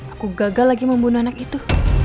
aku gagal lagi membunuh anak itu